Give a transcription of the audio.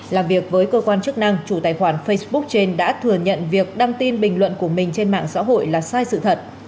làm việc với cơ quan chức năng chủ tài khoản facebook trên đã thừa nhận việc đăng tin bình luận của mình trên mạng xã hội là sai sự thật